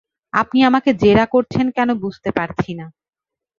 আপনি আমাকে জেরা করছেন কেন বুঝতে পারছি না।